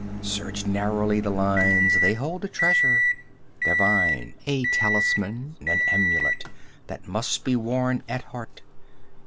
Search narrowly the lines! they hold a treasure 5 Divine, a talisman, an amulet That must be worn at heart.